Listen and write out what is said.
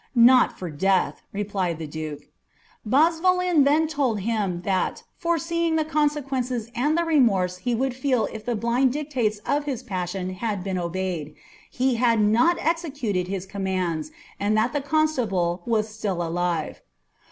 ^ Not for death," replied the duke. E>azvalen then told him, that, foreseeing the consequences and the lemorse he would feel if the blind dictates of his passion had been obeyeil, he had not executed his commands, and that the constable was •till alive.